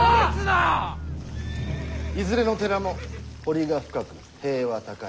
いずれの寺も堀が深く塀は高い。